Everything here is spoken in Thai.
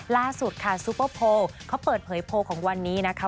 ล่าสุดค่ะซูเปอร์โพลเขาเปิดเผยโพลของวันนี้นะคะ